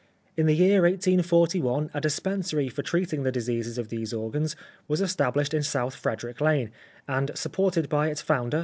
.... In the year 1841 a dispensary for treating the diseases of these organs was estab lished in South Frederick Lane, and supported by its founder.